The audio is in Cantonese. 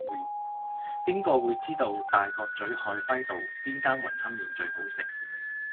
邊個會知道大角咀海輝道邊間雲吞麵最好食